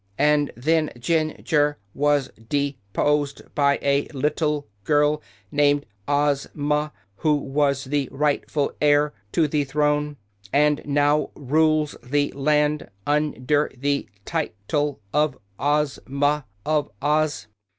And then Jin jur was de posed by a lit tle girl named Oz ma, who was the right ful heir to the throne and now rules the land un der the ti tle of Oz ma of Oz."